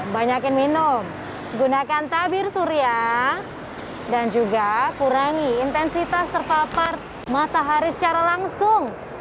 banyakin minum gunakan tabir surya dan juga kurangi intensitas terpapar matahari secara langsung